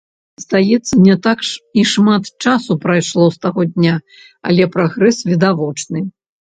Здаецца, не так і шмат часу прайшло з таго дня, але прагрэс відавочны.